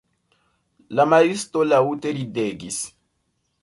La maristo laŭte ridegis.